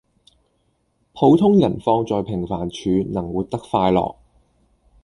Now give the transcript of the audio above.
普通人放在平凡處能活得快樂